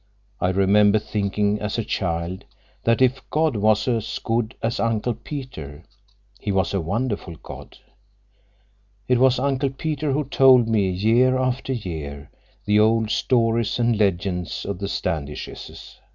I remember thinking, as a child, that if God was as good as Uncle Peter, He was a wonderful God. It was Uncle Peter who told me, year after year, the old stories and legends of the Standishes.